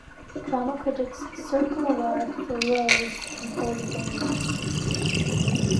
Drama Critic's Circle Award for Rose in "Holy Days".